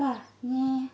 ねえ。